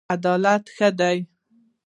عدالت ښه دی.